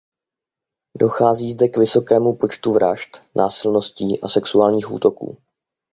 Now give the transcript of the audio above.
Dochází zde k vysokému počtu vražd, násilností a sexuálních útoků.